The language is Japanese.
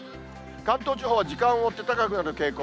関東地方は時間を追って高くなる傾向。